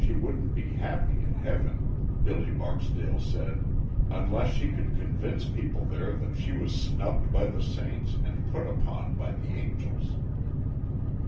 She wouldn't be happy in heaven, Billy Barksdale said, unless she could convince people there that she was snubbed by the saints and put upon by the angels.